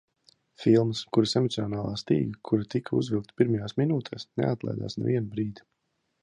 Filmas, kuras emocionālā stīga, kura tika uzvilkta pirmajās minūtēs, neatlaidās nevienu brīdi...